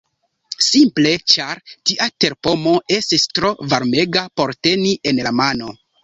Simple ĉar tia terpomo estis tro varmega por teni en la mano!